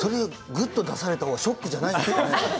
グッドを出された方がショックじゃないですか。